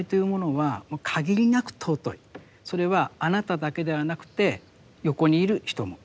それはあなただけではなくて横にいる人も。